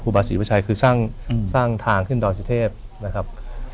ครูบาศรีวชัยคือสร้างทางขึ้นดรชเทพนะครับ